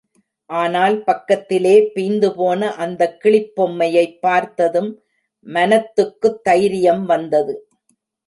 ஆனால் பக்கத்திலே பிய்ந்துபோன அந்தக் கிளிப் பொம்மையைப் பார்த்ததும் மனத்துக்குத் தைரியம் வந்தது.